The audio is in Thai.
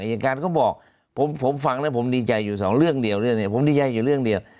อัยการก็บอกผมผมฟังแล้วผมดีใจอยู่สองเรื่องเดียวเรื่องเดียว